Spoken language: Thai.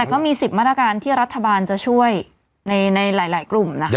ก็มี๑๐มาตรการที่รัฐบาลจะช่วยในหลายกลุ่มนะคะ